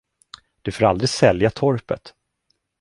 Du får aldrig sälja torpet!